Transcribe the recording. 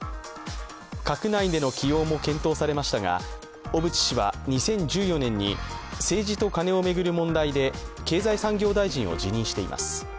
閣内での起用も検討されましたが小渕氏は２０１４年に政治とカネを巡る問題で経済産業大臣を辞任しています。